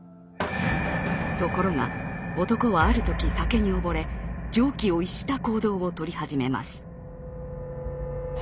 ところが男はある時酒に溺れ常軌を逸した行動をとり始めます。